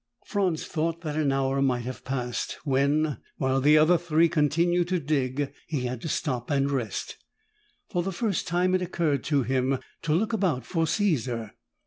Franz thought that an hour might have passed when, while the other three continued to dig, he had to stop and rest. For the first time, it occurred to him to look about for Caesar.